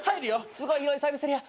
すごい広いサービスエリア。